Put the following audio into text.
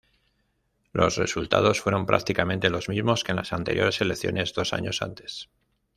Los resultados fueron prácticamente los mismos que en las anteriores elecciones, dos años antes.